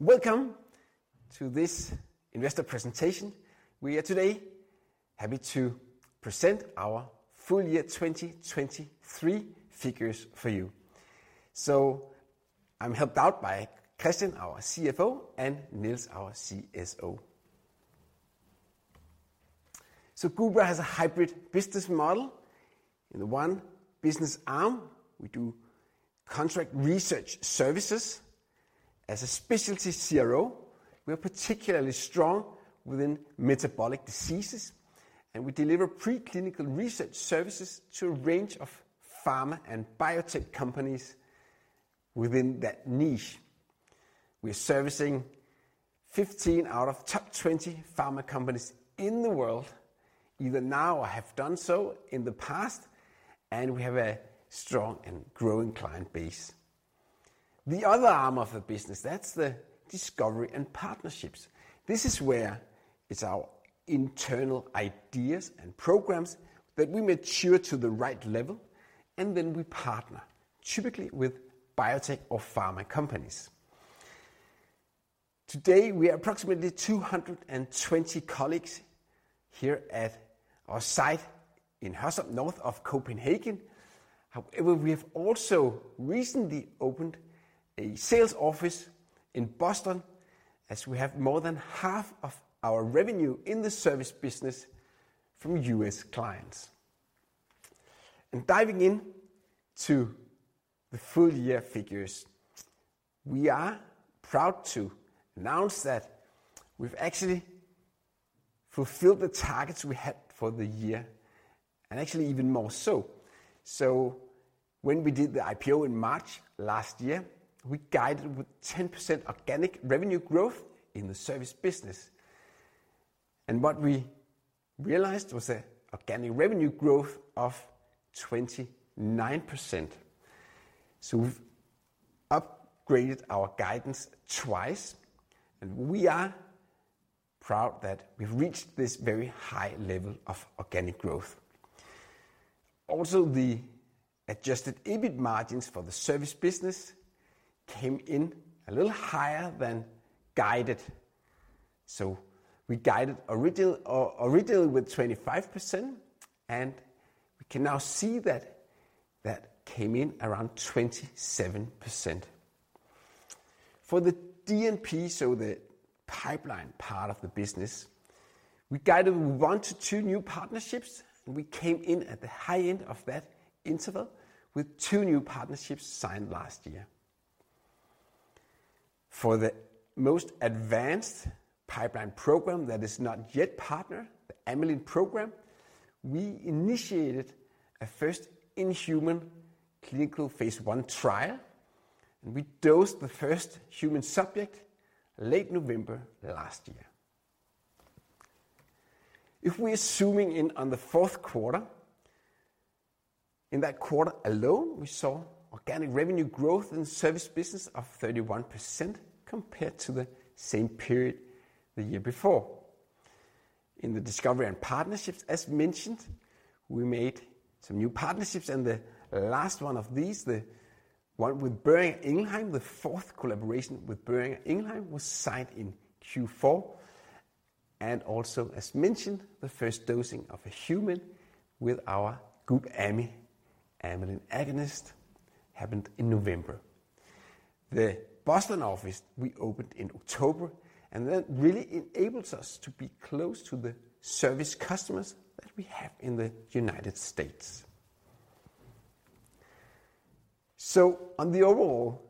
Welcome to this investor presentation. We are today happy to present our full year 2023 figures for you. So I'm helped out by Kristian, our CFO, and Niels, our CSO. So Gubra has a hybrid business model. In the one business arm, we do contract research services. As a specialty CRO, we are particularly strong within metabolic diseases, and we deliver preclinical research services to a range of pharma and biotech companies within that niche. We are servicing 15 out of top 20 pharma companies in the world, either now or have done so in the past, and we have a strong and growing client base. The other arm of the business, that's the discovery and partnerships. This is where it's our internal ideas and programs that we mature to the right level, and then we partner, typically with biotech or pharma companies. Today, we are approximately 220 colleagues here at our site in Hørsholm, north of Copenhagen. However, we have also recently opened a sales office in Boston, as we have more than half of our revenue in the service business from U.S. clients. And diving in to the full year figures, we are proud to announce that we've actually fulfilled the targets we had for the year, and actually even more so. So when we did the IPO in March last year, we guided with 10% organic revenue growth in the service business, and what we realized was an organic revenue growth of 29%. So we've upgraded our guidance twice, and we are proud that we've reached this very high level of organic growth. Also, the adjusted EBIT margins for the service business came in a little higher than guided. So we guided original, or originally with 25%, and we can now see that that came in around 27%. For the DNP, so the pipeline part of the business, we guided 1-2 new partnerships, and we came in at the high end of that interval with 2 new partnerships signed last year. For the most advanced pipeline program that is not yet partnered, the Amylin program, we initiated a first-in-human clinical phase I trial, and we dosed the first human subject late November last year. If we are zooming in on the Q4, in that quarter alone, we saw organic revenue growth in the service business of 31% compared to the same period the year before. In the discovery and partnerships, as mentioned, we made some new partnerships, and the last one of these, the one with Boehringer Ingelheim, the fourth collaboration with Boehringer Ingelheim, was signed in Q4. And also, as mentioned, the first dosing of a human with our GUBamy amylin agonist happened in November. The Boston office we opened in October, and that really enables us to be close to the service customers that we have in the United States. So on the overall,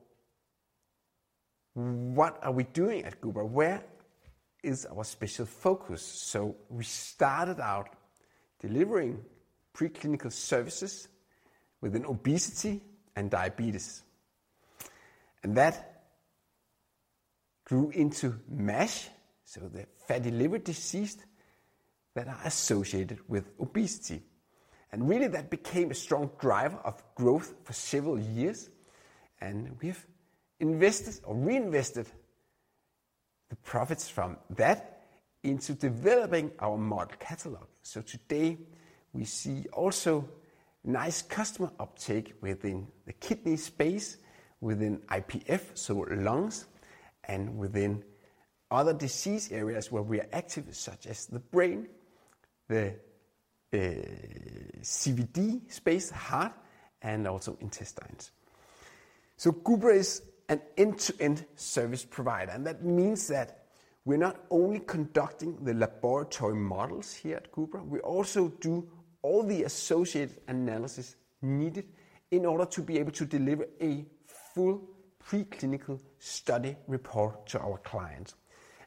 what are we doing at Gubra? Where is our special focus? So we started out delivering preclinical services within obesity and diabetes, and that grew into MASH, so the fatty liver disease that are associated with obesity. And really, that became a strong driver of growth for several years, and we've invested or reinvested the profits from that into developing our model catalog. So today, we see also nice customer uptake within the kidney space, within IPF, so lungs, and within other disease areas where we are active, such as the brain, the CVD space, heart, and also intestines. So Gubra is an end-to-end service provider, and that means that we're not only conducting the laboratory models here at Gubra, we also do all the associated analysis needed in order to be able to deliver a full preclinical study report to our clients.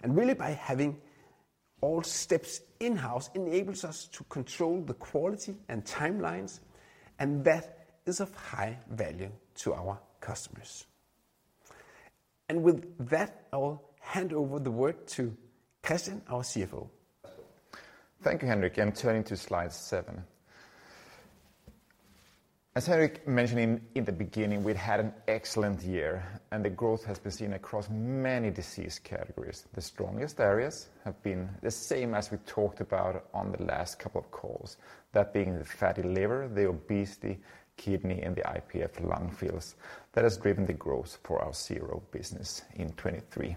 And really, by having all steps in-house enables us to control the quality and timelines, and that is of high value to our customers. And with that, I will hand over the word to Kristian, our CFO. Thank you, Henrik. I'm turning to slide 7. As Henrik mentioned in the beginning, we've had an excellent year, and the growth has been seen across many disease categories. The strongest areas have been the same as we talked about on the last couple of calls, that being the fatty liver, the obesity, kidney, and the IPF lung fields that has driven the growth for our CRO business in 2023.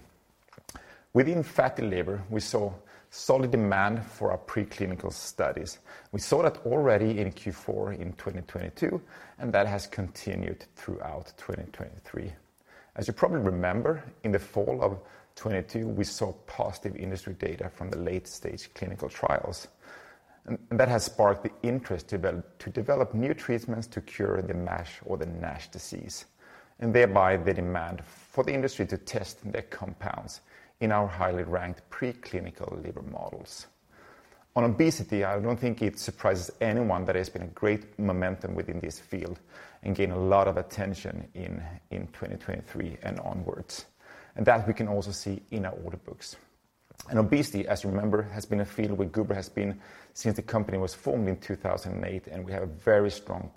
Within fatty liver, we saw solid demand for our preclinical studies. We saw that already in Q4 in 2022, and that has continued throughout 2023. As you probably remember, in the fall of 2022, we saw positive industry data from the late-stage clinical trials. That has sparked the interest to develop new treatments to cure the MASH or the NASH disease, and thereby the demand for the industry to test their compounds in our highly ranked preclinical liver models. On obesity, I don't think it surprises anyone that there's been a great momentum within this field and gained a lot of attention in 2023 and onwards, and that we can also see in our order books. Obesity, as you remember, has been a field where Gubra has been since the company was formed in 2008, and we have a very strong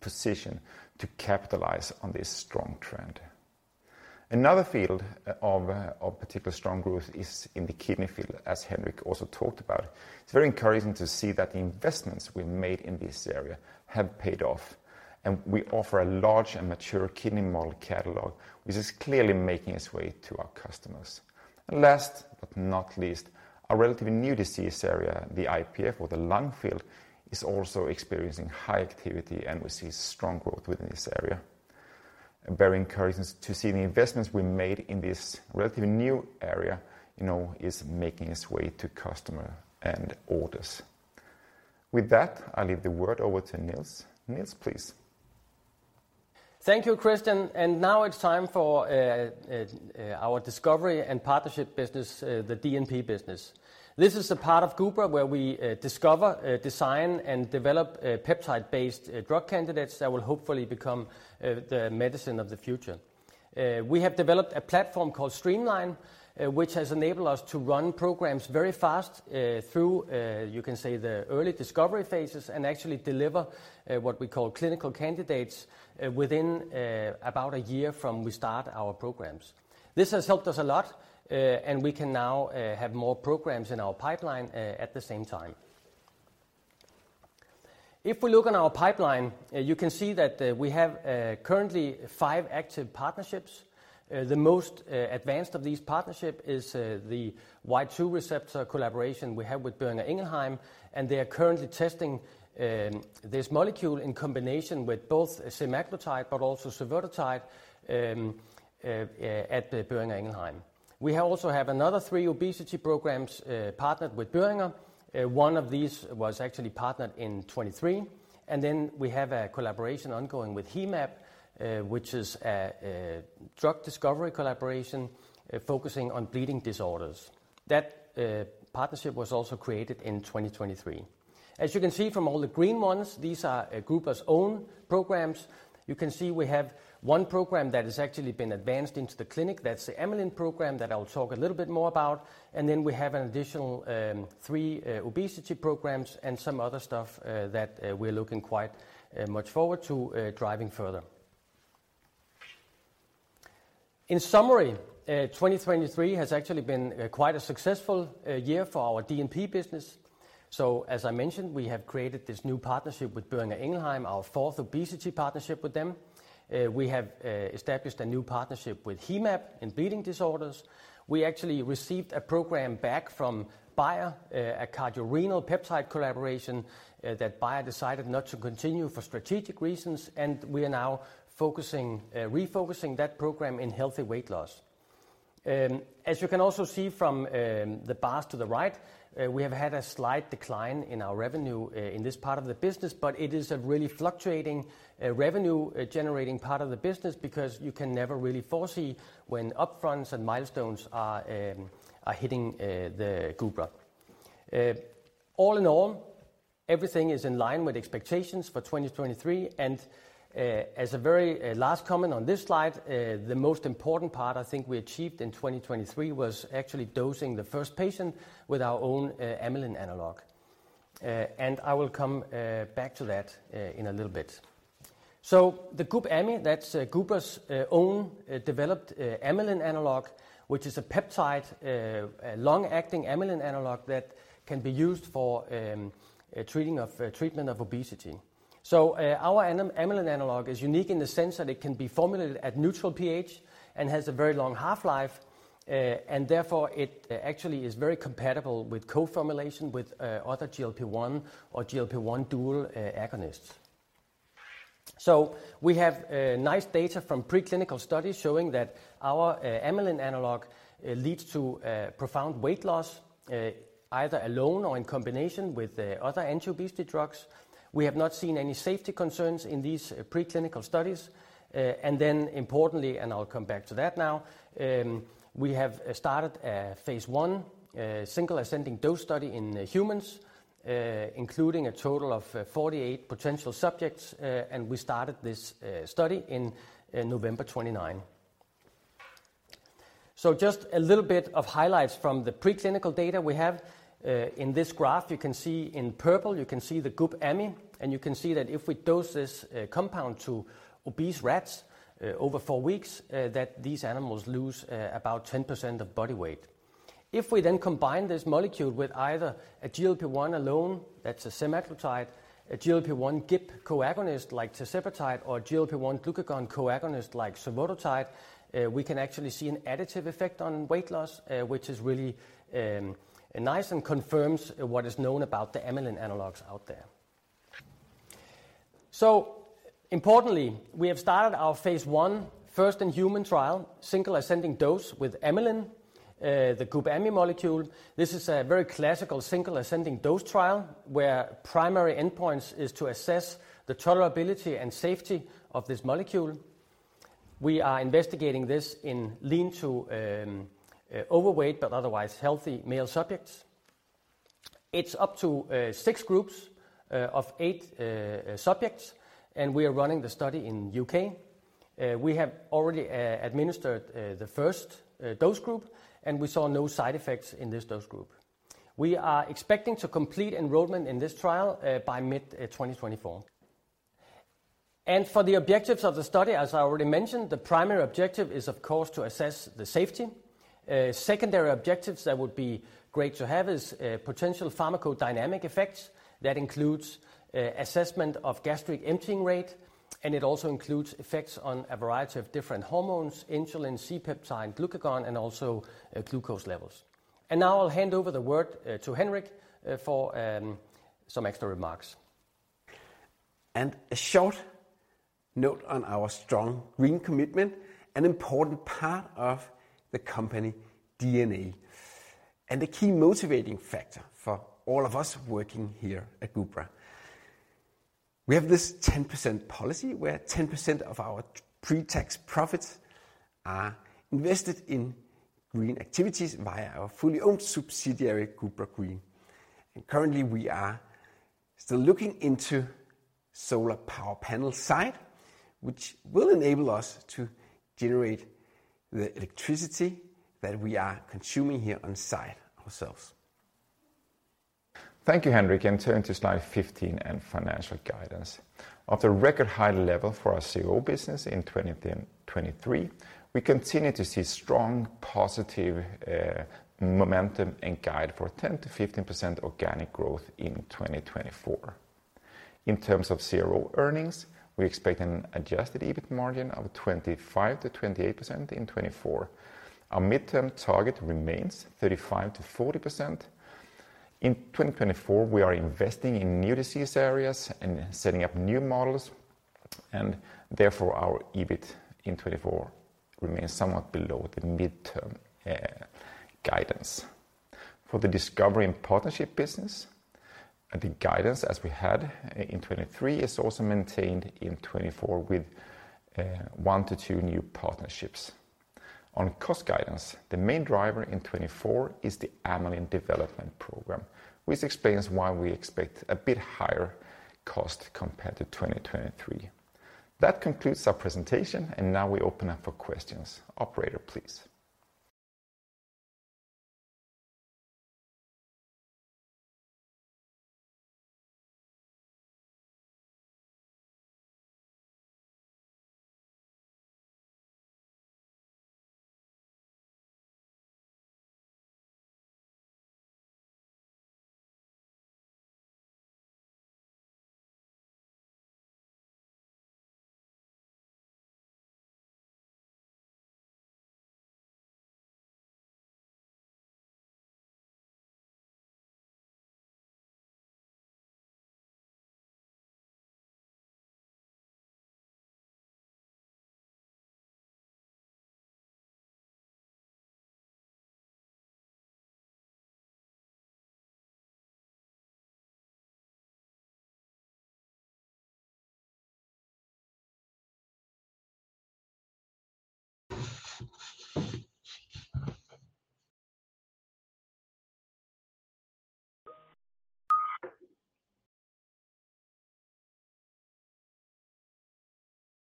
position to capitalize on this strong trend. Another field of particular strong growth is in the kidney field, as Henrik also talked about. It's very encouraging to see that the investments we've made in this area have paid off, and we offer a large and mature kidney model catalog, which is clearly making its way to our customers. And last but not least, a relatively new disease area, the IPF or the lung field, is also experiencing high activity, and we see strong growth within this area. Very encouraging to see the investments we made in this relatively new area, you know, is making its way to customer and orders. With that, I leave the word over to Niels. Niels, please. Thank you, Kristian. And now it's time for our discovery and partnership business, the DNP business. This is a part of Gubra where we discover, design, and develop peptide-based drug candidates that will hopefully become the medicine of the future. We have developed a platform called streaMLine, which has enabled us to run programs very fast through you can say, the early discovery phases and actually deliver what we call clinical candidates within about a year from we start our programs. This has helped us a lot, and we can now have more programs in our pipeline at the same time. If we look on our pipeline, you can see that we have currently five active partnerships. The most advanced of these partnership is the Y2 receptor collaboration we have with Boehringer Ingelheim, and they are currently testing this molecule in combination with both semaglutide, but also survodutide, at the Boehringer Ingelheim. We also have another three obesity programs partnered with Boehringer. One of these was actually partnered in 2023, and then we have a collaboration ongoing with Hemab, which is a drug discovery collaboration focusing on bleeding disorders. That partnership was also created in 2023. As you can see from all the green ones, these are Gubra's own programs. You can see we have one program that has actually been advanced into the clinic. That's the amylin program that I'll talk a little bit more about. Then we have an additional three obesity programs and some other stuff that we're looking quite much forward to driving further. In summary, 2023 has actually been quite a successful year for our DNP business. As I mentioned, we have created this new partnership with Boehringer Ingelheim, our fourth obesity partnership with them. We have established a new partnership with Hemab in bleeding disorders. We actually received a program back from Bayer, a cardiorenal peptide collaboration, that Bayer decided not to continue for strategic reasons, and we are now refocusing that program in healthy weight loss. As you can also see from the bars to the right, we have had a slight decline in our revenue in this part of the business, but it is a really fluctuating revenue-generating part of the business because you can never really foresee when upfronts and milestones are hitting the Gubra. All in all, everything is in line with expectations for 2023, and as a very last comment on this slide, the most important part I think we achieved in 2023 was actually dosing the first patient with our own amylin analog. And I will come back to that in a little bit. So the GUBamy, that's Gubra's own developed amylin analog, which is a peptide, a long-acting amylin analog that can be used for treatment of obesity. So, our amylin analog is unique in the sense that it can be formulated at neutral pH and has a very long half-life, and therefore, it actually is very compatible with co-formulation with other GLP-1 or GLP-1 dual agonists. So we have nice data from preclinical studies showing that our amylin analog leads to profound weight loss, either alone or in combination with the other anti-obesity drugs. We have not seen any safety concerns in these preclinical studies. And then importantly, and I'll come back to that now, we have started a phase I single-ascending dose study in humans, including a total of 48 potential subjects, and we started this study in November 29. So just a little bit of highlights from the preclinical data we have. In this graph, you can see in purple, you can see the GUBamy, and you can see that if we dose this compound to obese rats over 4 weeks, that these animals lose about 10% of body weight. If we then combine this molecule with either a GLP-1 alone, that's a semaglutide, a GLP-1 GIP co-agonist like tirzepatide or GLP-1 glucagon co-agonist like survodutide, we can actually see an additive effect on weight loss, which is really nice and confirms what is known about the amylin analogs out there. So importantly, we have started our phase I first-in-human trial, single-ascending dose with amylin, the GUBamy molecule. This is a very classical single-ascending dose trial, where primary endpoints is to assess the tolerability and safety of this molecule. We are investigating this in lean to overweight, but otherwise healthy male subjects. It's up to 6 groups of 8 subjects, and we are running the study in U.K. We have already administered the first dose group, and we saw no side effects in this dose group. We are expecting to complete enrollment in this trial by mid-2024. For the objectives of the study, as I already mentioned, the primary objective is, of course, to assess the safety. Secondary objectives that would be great to have is potential pharmacodynamic effects. That includes assessment of gastric emptying rate, and it also includes effects on a variety of different hormones, insulin, C-peptide, glucagon, and also glucose levels. Now I'll hand over the word to Henrik for some extra remarks. A short note on our strong green commitment, an important part of the company DNA and a key motivating factor for all of us working here at Gubra. We have this 10% policy, where 10% of our pre-tax profits are invested in green activities via our fully owned subsidiary, Gubra Green. Currently, we are still looking into solar power panel site, which will enable us to generate the electricity that we are consuming here on site ourselves. Thank you, Henrik, and turn to slide 15 and financial guidance. Of the record high level for our CRO business in 2023, we continue to see strong positive momentum and guide for 10%-15% organic growth in 2024. In terms of CRO earnings, we expect an adjusted EBIT margin of 25%-28% in 2024. Our midterm target remains 35%-40%. In 2024, we are investing in new disease areas and setting up new models, and therefore, our EBIT in 2024 remains somewhat below the midterm guidance. For the discovery and partnership business, the guidance, as we had in 2023, is also maintained in 2024 with 1-2 new partnerships. On cost guidance, the main driver in 2024 is the amylin development program, which explains why we expect a bit higher cost compared to 2023. That concludes our presentation, and now we open up for questions. Operator, please.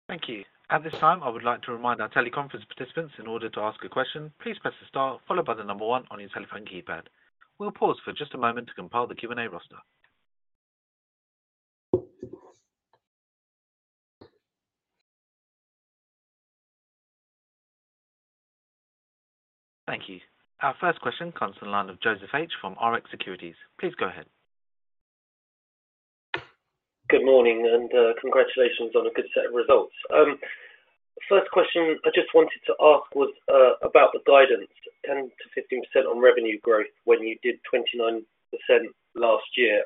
Thank you. At this time, I would like to remind our teleconference participants, in order to ask a question, please press the star followed by the number one on your telephone keypad. We'll pause for just a moment to compile the Q&A roster. Thank you. Our first question comes from the line of Joseph H from Rx Securities. Please go ahead. Good morning, and congratulations on a good set of results. First question I just wanted to ask was about the guidance, 10%-15% on revenue growth when you did 29% last year.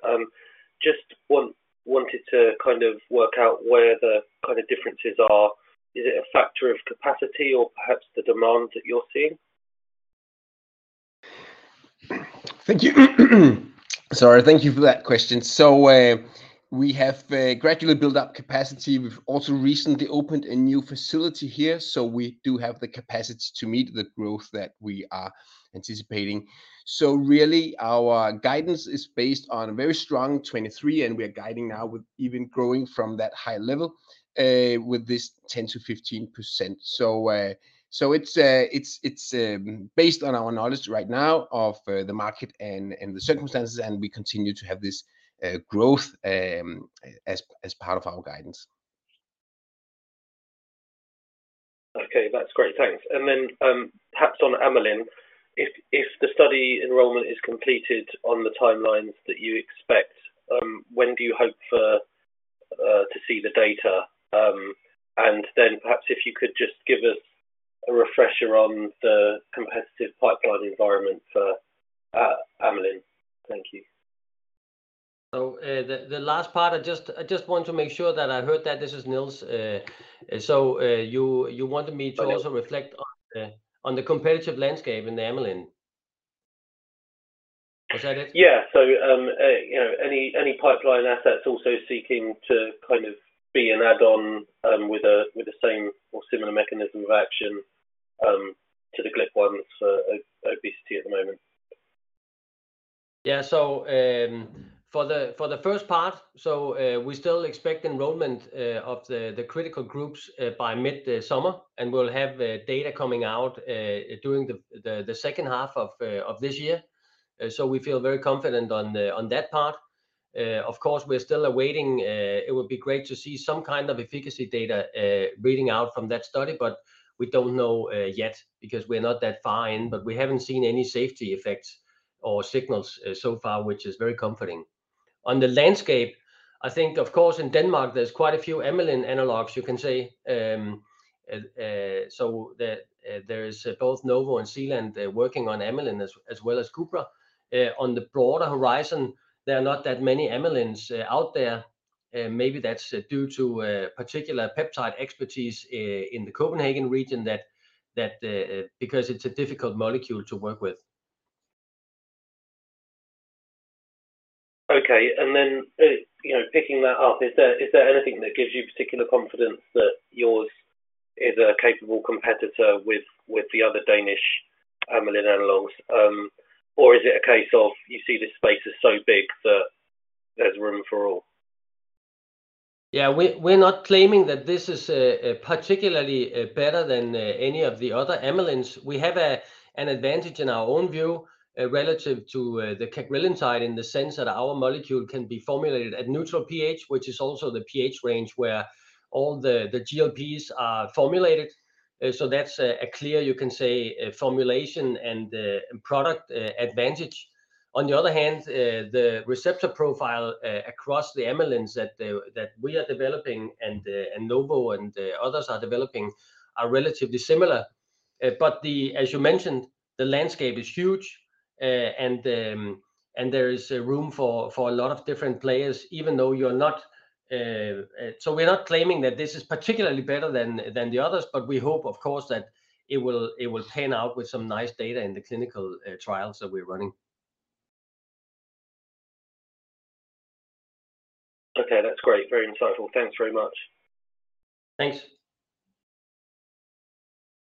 Just wanted to kind of work out where the kind of differences are. Is it a factor of capacity or perhaps the demand that you're seeing? Thank you. Sorry, thank you for that question. So, we have gradually built up capacity. We've also recently opened a new facility here, so we do have the capacity to meet the growth that we are anticipating. So really, our guidance is based on a very strong 2023, and we are guiding now with even growing from that high level, with this 10%-15%. So, it's based on our knowledge right now of the market and the circumstances, and we continue to have this growth as part of our guidance.... Okay, that's great. Thanks. And then, perhaps on amylin, if the study enrollment is completed on the timelines that you expect, when do you hope for, to see the data? And then perhaps if you could just give us a refresher on the competitive pipeline environment for, amylin. Thank you. So, the last part, I just want to make sure that I heard that. This is Niels, so, you wanted me to also reflect on the competitive landscape in the amylin. Was that it? Yeah. So, you know, any pipeline assets also seeking to kind of be an add-on with the same or similar mechanism of action to the GLP-1, so obesity at the moment. Yeah. So, for the first part, so, we still expect enrollment of the critical groups by mid summer, and we'll have the data coming out during the H2 of this year. So we feel very confident on that part. Of course, we're still awaiting, it would be great to see some kind of efficacy data reading out from that study, but we don't know yet because we're not that fine, but we haven't seen any safety effects or signals so far, which is very comforting. On the landscape, I think, of course, in Denmark, there's quite a few amylin analogues you can say, so there is both Novo and Zealand, they're working on amylin, as well as Gubra. On the broader horizon, there are not that many amylins out there, maybe that's due to a particular peptide expertise in the Copenhagen region that, that, because it's a difficult molecule to work with. Okay. And then, you know, picking that up, is there anything that gives you particular confidence that yours is a capable competitor with the other Danish amylin analogs? Or is it a case of you see this space is so big that there's room for all? Yeah, we're not claiming that this is particularly better than any of the other amylins. We have an advantage in our own view relative to the cagrilintide, in the sense that our molecule can be formulated at neutral pH, which is also the pH range where all the GLPs are formulated. So that's a clear, you can say, a formulation and product advantage. On the other hand, the receptor profile across the amylins that we are developing and Novo and others are developing are relatively similar. But the... As you mentioned, the landscape is huge, and there is room for a lot of different players, even though you're not, so we're not claiming that this is particularly better than the others, but we hope, of course, that it will pan out with some nice data in the clinical trials that we're running. Okay, that's great. Very insightful. Thanks very much. Thanks.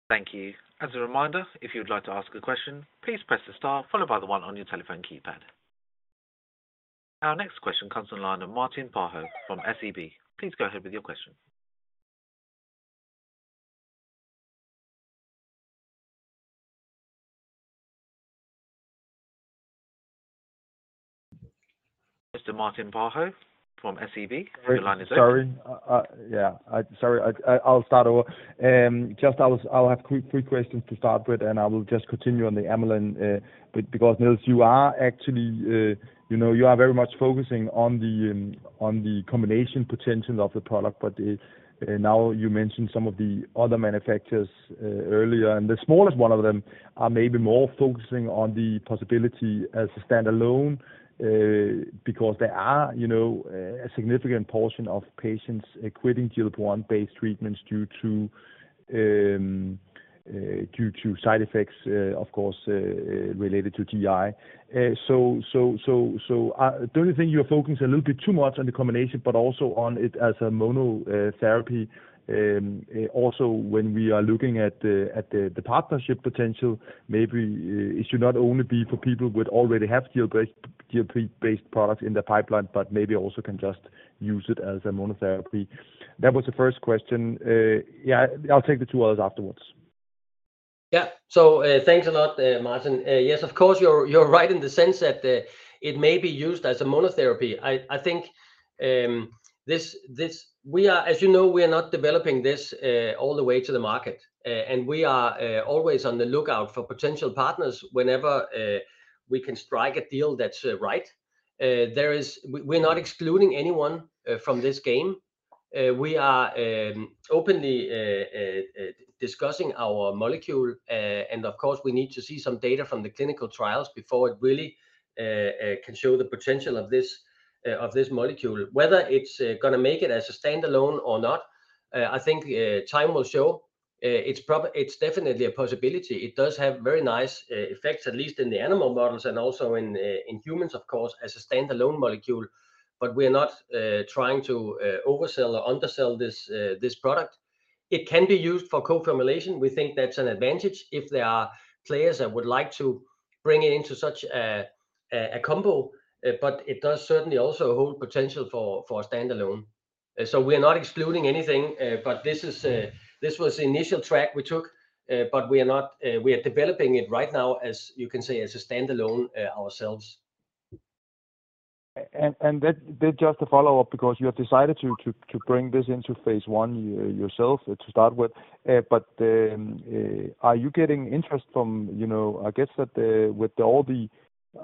Thank you. As a reminder, if you'd like to ask a question, please press the star followed by the one on your telephone keypad. Our next question comes from line of Martin Parkhøi from SEB. Please go ahead with your question. Mr. Martin Parkhøi from SEB, your line is open. Sorry, yeah, I'll start over. I'll have quick three questions to start with, and I will just continue on the amylin, because, Niels, you are actually, you know, you are very much focusing on the, on the combination potential of the product, but now you mentioned some of the other manufacturers earlier, and the smallest one of them are maybe more focusing on the possibility as a standalone, because there are, you know, a significant portion of patients quitting GLP-1 based treatments due to, due to side effects, of course, related to GI. So, don't you think you are focusing a little bit too much on the combination, but also on it as a mono therapy, also, when we are looking at the partnership potential, maybe it should not only be for people who would already have GLP-based products in the pipeline, but maybe also can just use it as a monotherapy? That was the first question. Yeah, I'll take the two others afterwards. Yeah. So, thanks a lot, Martin. Yes, of course, you're right in the sense that it may be used as a monotherapy. I think, as you know, we are not developing this all the way to the market. And we are always on the lookout for potential partners whenever we can strike a deal that's right. We're not excluding anyone from this game. We are openly discussing our molecule, and of course, we need to see some data from the clinical trials before it really can show the potential of this molecule. Whether it's gonna make it as a standalone or not, I think time will show. It's definitely a possibility. It does have very nice effects, at least in the animal models and also in humans, of course, as a standalone molecule, but we're not trying to oversell or undersell this product. It can be used for co-formulation. We think that's an advantage if there are players that would like to bring it into such a combo, but it does certainly also hold potential for a standalone. So we are not excluding anything, but this was the initial track we took, but we are developing it right now, as you can see, as a standalone ourselves. And just a follow-up, because you have decided to bring this into Phase I, but are you getting interest from, you know, I guess that the, with all the,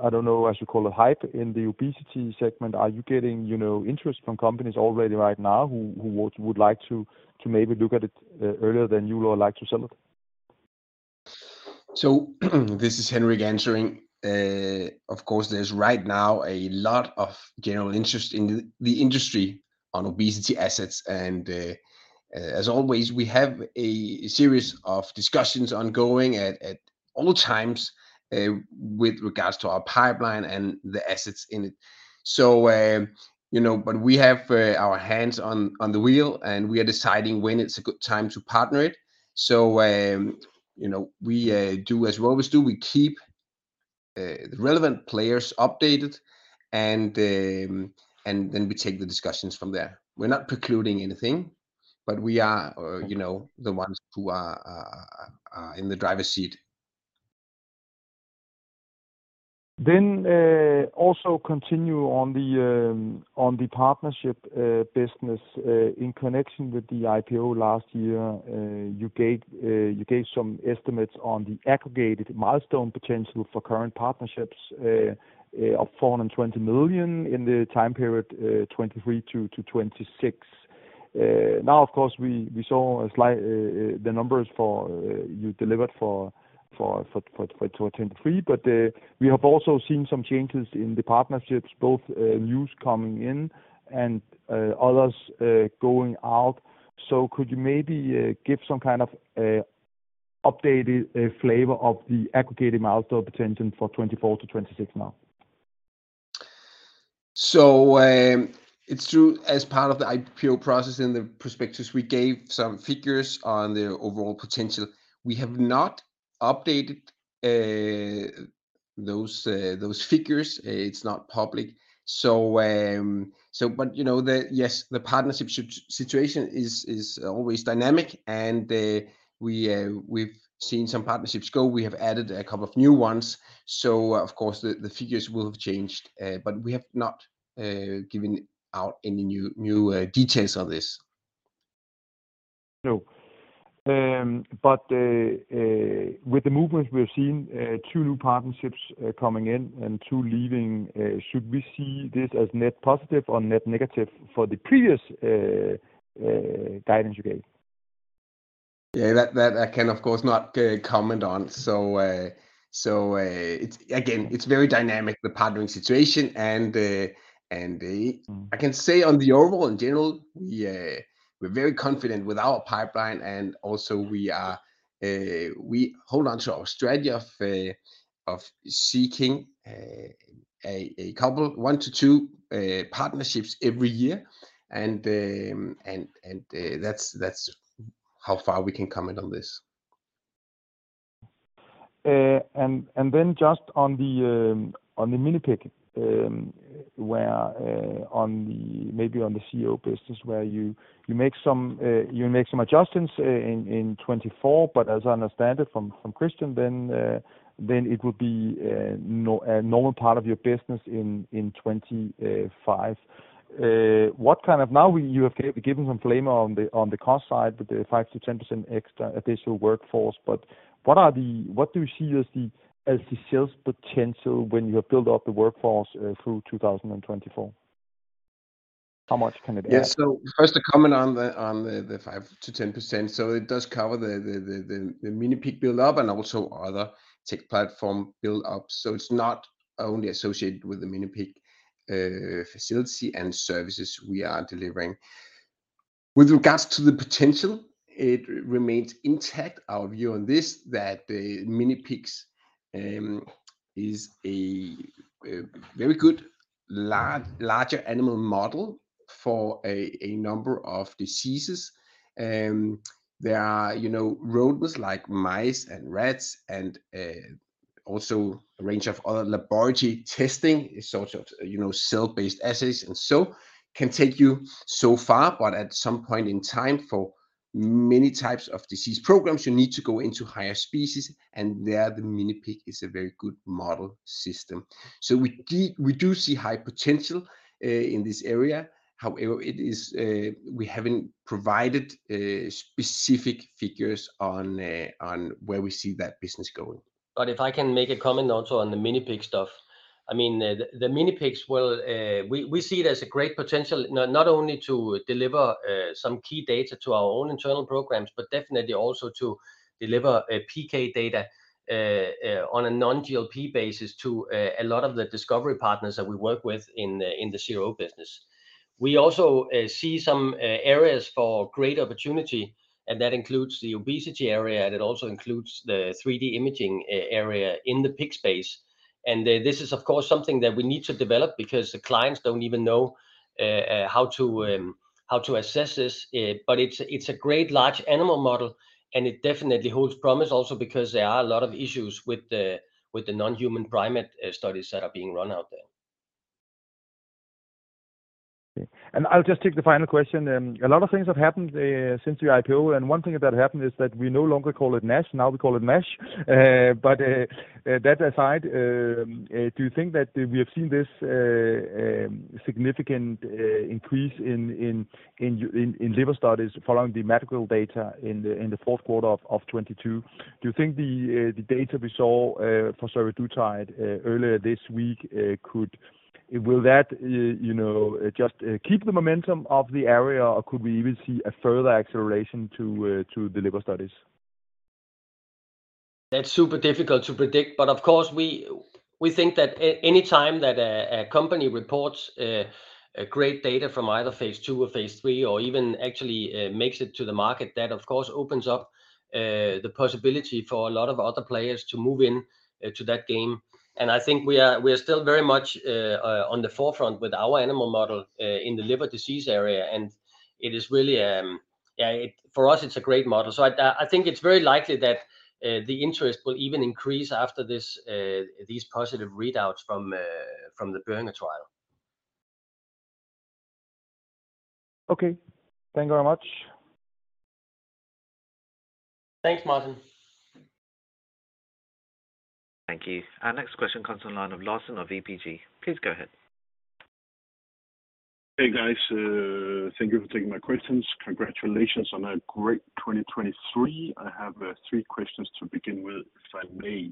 I don't know, I should call it, hype in the obesity segment, are you getting, you know, interest from companies already right now who would like to maybe look at it earlier than you would like to sell it? So this is Henrik answering. Of course, there's right now a lot of general interest in the industry on obesity assets. And, as always, we have a series of discussions ongoing at all times with regards to our pipeline and the assets in it. So, you know, but we have our hands on the wheel, and we are deciding when it's a good time to partner it. So, you know, we do as we always do, we keep the relevant players updated, and then we take the discussions from there. We're not precluding anything, but we are, you know, the ones who are in the driver's seat. Then, also continue on the partnership business. In connection with the IPO last year, you gave some estimates on the aggregated milestone potential for current partnerships of 420 million in the time period 2023 to 2026. Now, of course, we saw a slight the numbers for you delivered for 2023. But we have also seen some changes in the partnerships, both new coming in and others going out. So could you maybe give some kind of updated flavor of the aggregated milestone potential for 2024 to 2026 now? So, it's true. As part of the IPO process in the prospectus, we gave some figures on the overall potential. We have not updated those figures. It's not public. So, but you know, yes, the partnership situation is always dynamic, and we've seen some partnerships go. We have added a couple of new ones, so of course, the figures will have changed, but we have not given out any new details on this. No. But with the movements we've seen, two new partnerships coming in and two leaving, should we see this as net positive or net negative for the previous guidance you gave? Yeah, that, that I can, of course, not comment on. So, so, it's, again, it's very dynamic, the partnering situation. And, and I can say on the overall, in general, we, we're very confident with our pipeline, and also we are, we hold on to our strategy of, of seeking, a, a couple, 1-2 partnerships every year. And, and, and, that's, that's how far we can comment on this. And, and then just on the minipig, where, on the-- maybe on the CRO business, where you, you make some, you make some adjustments in, in 2024, but as I understand it from, from Kristian, then, then it would be a normal part of your business in, in twenty, five. What kind of... Now, you have given some flavor on the cost side, with the 5%-10% extra additional workforce, but what are the-- what do you see as the, as the sales potential when you have built up the workforce, through two thousand and 2024? How much can it be? Yeah. So first, to comment on the 5%-10%. So it does cover the minipig build-up and also other tech platform build-up. So it's not only associated with the minipig facility and services we are delivering. With regards to the potential, it remains intact. Our view on this, that the minipigs is a very good larger animal model for a number of diseases. There are, you know, rodents like mice and rats, and also a range of other laboratory testing is sort of, you know, cell-based assays, and so can take you so far. But at some point in time, for many types of disease programs, you need to go into higher species, and there, the minipig is a very good model system. So we do see high potential in this area. However, it is, we haven't provided specific figures on, on where we see that business going. But if I can make a comment also on the minipig stuff. I mean, the minipigs will, we see it as a great potential, not only to deliver some key data to our own internal programs, but definitely also to deliver a PK data on a non-GLP basis to a lot of the discovery partners that we work with in the CRO business. We also see some areas for great opportunity, and that includes the obesity area, and it also includes the 3D imaging area in the pig space. And this is, of course, something that we need to develop because the clients don't even know how to assess this, but it's a great large animal model, and it definitely holds promise. Also, because there are a lot of issues with the non-human primate studies that are being run out there. I'll just take the final question. A lot of things have happened since the IPO, and one thing that happened is that we no longer call it NASH, now we call it MASH. But that aside, do you think that we have seen this significant increase in liver studies following the medical data in the Q4 of 2022? Do you think the data we saw for survodutide earlier this week could will that, you know, just keep the momentum of the area, or could we even see a further acceleration to the liver studies? That's super difficult to predict. But of course, we think that anytime that a company reports a great data from either phase two or phase three, or even actually makes it to the market, that of course opens up the possibility for a lot of other players to move in to that game. And I think we are still very much on the forefront with our animal model in the liver disease area, and it is really yeah for us, it's a great model. So I think it's very likely that the interest will even increase after this these positive readouts from from the Boehringer trial. Okay. Thank you very much. Thanks, Martin. Thank you. Our next question comes on the line of Lars of ABG. Please go ahead. Hey, guys, thank you for taking my questions. Congratulations on a great 2023. I have three questions to begin with, if I may.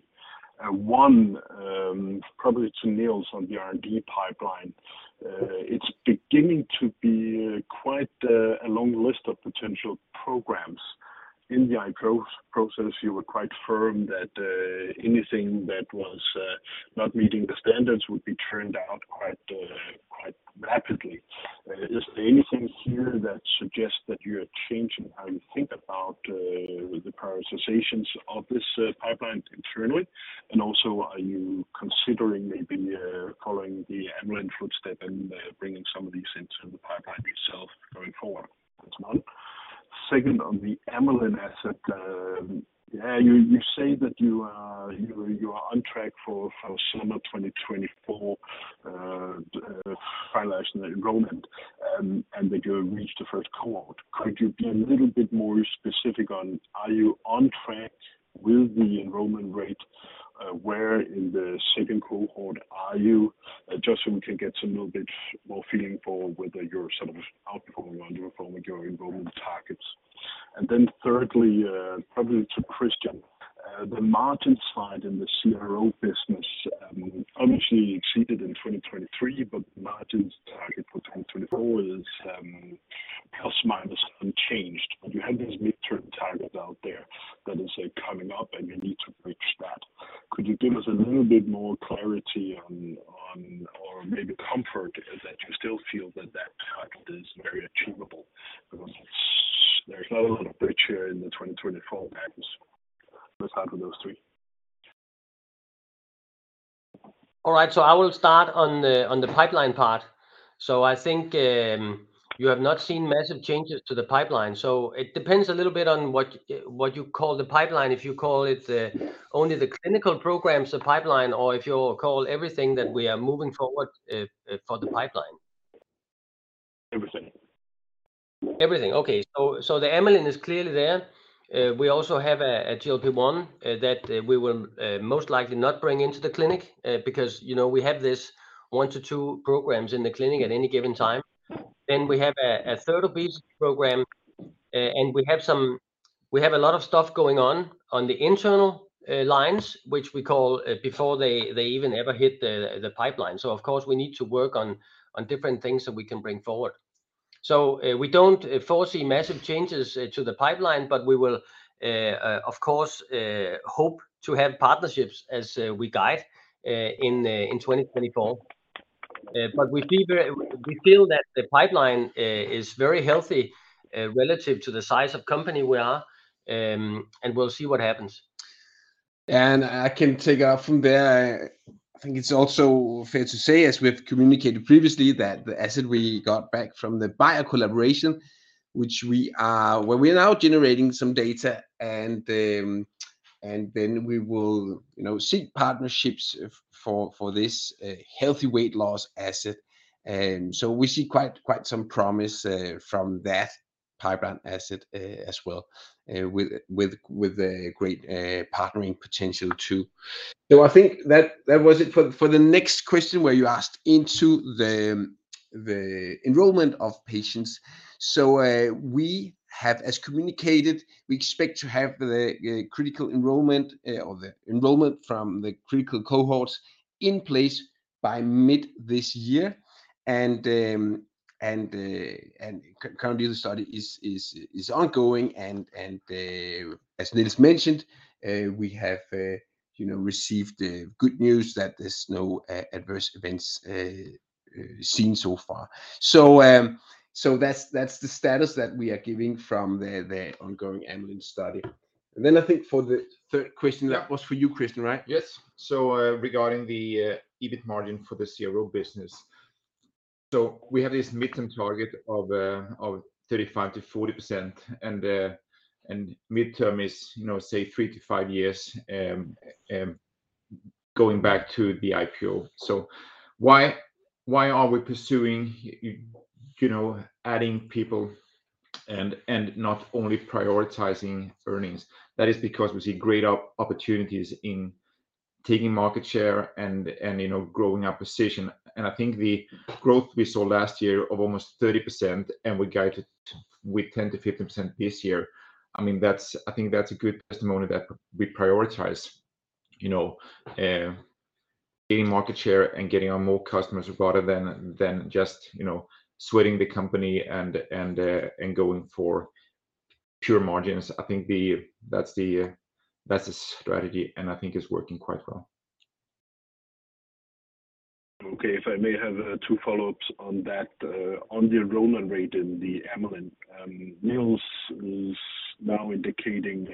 One, probably to Niels on the R&D pipeline. It's beginning to be quite a long list of potential programs in the IPO process. You were quite firm that anything that was not meeting the standards would be turned out quite rapidly. Is there anything here that suggests that you are changing how you think about the prioritizations of this pipeline internally? And also, are you considering maybe following the Amylin footstep and bringing some of these into the pipeline yourself going forward as well? Second, on the Amylin asset, yeah, you say that you are on track for summer 2024 finalizing the enrollment, and that you have reached the first cohort. Could you be a little bit more specific on are you on track with the enrollment rate? Where in the second cohort are you? Just so we can get some little bit more feeling for whether you're sort of outperforming or underperforming your enrollment targets. And then thirdly, probably to Kristian, the margin side in the CRO business, obviously exceeded in 2023, but margins target for 2024 is ± unchanged. But you have these midterm targets out there that is coming up, and you need to reach that. Could you give us a little bit more clarity on, or maybe comfort that you still feel that that target is very achievable? Because there's not a lot of bridge here in the 2024 patterns. Let's start with those three. All right, so I will start on the pipeline part. So I think you have not seen massive changes to the pipeline, so it depends a little bit on what you call the pipeline. If you call it only the clinical programs, the pipeline, or if you call everything that we are moving forward for the pipeline. Everything. Everything. Okay. So the Amylin is clearly there. We also have a GLP-1 that we will most likely not bring into the clinic because, you know, we have this 1-2 programs in the clinic at any given time. Then we have a third obese program, and we have some. We have a lot of stuff going on, on the internal lines, which we call before they even ever hit the pipeline. So of course, we need to work on different things that we can bring forward. So we don't foresee massive changes to the pipeline, but we will of course hope to have partnerships as we guide in 2024. But we feel that the pipeline is very healthy relative to the size of company we are, and we'll see what happens. I can take off from there. I think it's also fair to say, as we have communicated previously, that the asset we got back from the Bayer collaboration, which we are, well, we are now generating some data, and, and then we will, you know, seek partnerships for, for this, healthy weight loss asset. So we see quite, quite some promise, from that pipeline asset, as well, with, with, with a great, partnering potential too. So I think that, that was it for, for the next question, where you asked into the, the enrollment of patients. So, we have, as communicated, we expect to have the, critical enrollment, or the enrollment from the critical cohorts in place by mid this year. Currently, the study is ongoing, and as Niels mentioned, we have, you know, received good news that there's no adverse events seen so far. So that's the status that we are giving from the ongoing Amylin study. And then I think for the third question, that was for you, Kristian, right? Yes. So, regarding the EBIT margin for the CRO business. So we have this midterm target of 35%-40%, and midterm is, you know, say, 3-5 years... Going back to the IPO. So why are we pursuing, you know, adding people and not only prioritizing earnings? That is because we see great opportunities in taking market share and, you know, growing our position. And I think the growth we saw last year of almost 30%, and we guided with 10%-15% this year, I mean, that's I think that's a good testimony that we prioritize, you know, gaining market share and getting on more customers rather than just, you know, sweating the company and going for pure margins. I think that's the strategy, and I think it's working quite well. Okay. If I may have two follow-ups on that. On the enrollment rate in the Amylin, Niels is now indicating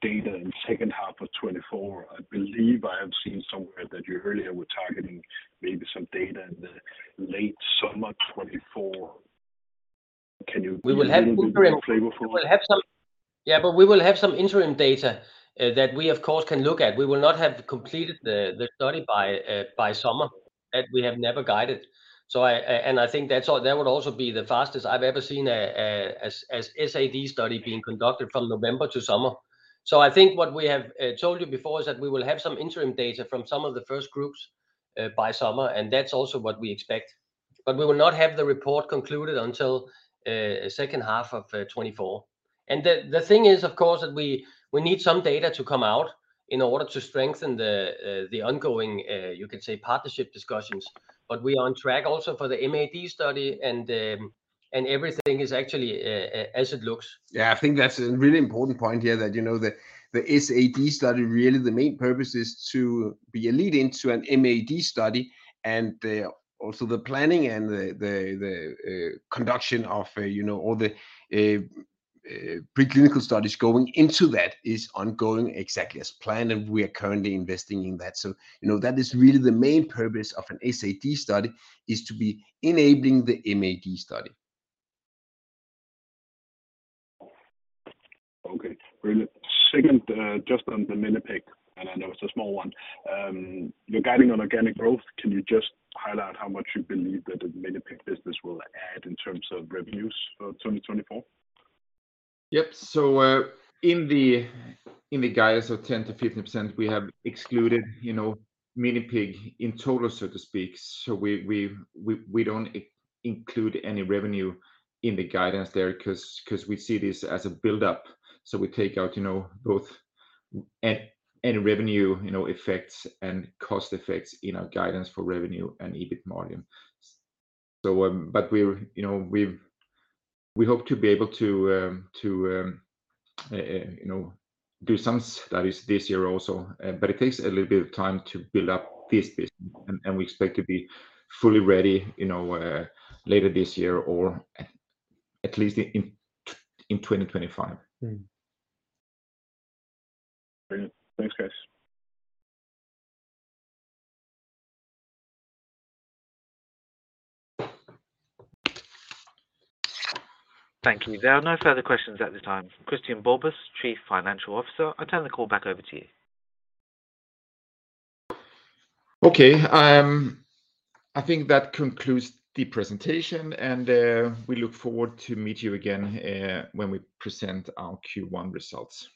data in H2 of 2024. I believe I have seen somewhere that you earlier were targeting maybe some data in the late summer 2024. Can you- We will have interim- Give more flavor for it? We will have some. Yeah, but we will have some interim data that we, of course, can look at. We will not have completed the study by summer, that we have never guided. So, and I think that's all, that would also be the fastest I've ever seen a SAD study being conducted from November to summer. So I think what we have told you before is that we will have some interim data from some of the first groups by summer, and that's also what we expect. But we will not have the report concluded until H2 of 2024. And the thing is, of course, that we need some data to come out in order to strengthen the ongoing, you could say, partnership discussions. We are on track also for the MAD study and everything is actually as it looks. Yeah, I think that's a really important point here, that, you know, the SAD study, really the main purpose is to be a lead-in to an MAD study. And, also the planning and the conduction of, you know, all the preclinical studies going into that is ongoing exactly as planned, and we are currently investing in that. So, you know, that is really the main purpose of an SAD study, is to be enabling the MAD study. Okay, brilliant. Second, just on the minipig, and I know it's a small one. You're guiding on organic growth. Can you just highlight how much you believe that the minipig business will add in terms of revenues for 2024? Yep. So, in the guidance of 10%-15%, we have excluded, you know, minipig in total, so to speak. So we don't include any revenue in the guidance there 'cause we see this as a build-up. So we take out, you know, both any revenue, you know, effects and cost effects in our guidance for revenue and EBIT margin. So, but we, you know, we hope to be able to, you know, do some studies this year also. But it takes a little bit of time to build up this business, and we expect to be fully ready, you know, later this year or at least in 2025. Mm-hmm. Brilliant. Thanks, guys. Thank you. There are no further questions at this time. Kristian Borbos, Chief Financial Officer, I turn the call back over to you. Okay, I think that concludes the presentation, and we look forward to meet you again, when we present our Q1 results.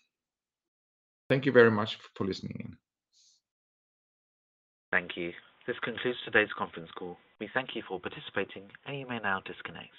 Thank you very much for listening in. Thank you. This concludes today's conference call. We thank you for participating, and you may now disconnect.